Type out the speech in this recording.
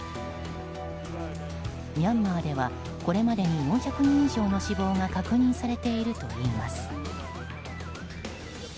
ミャンマーではこれまでに４００人以上の死亡が確認されているといいます。